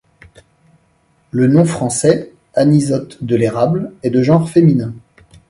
Le nom français, Anisote de l'érable, est de genre féminin.